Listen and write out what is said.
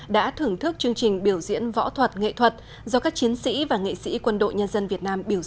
đã thưởng thức chương trình biểu diễn võ thuật nghệ thuật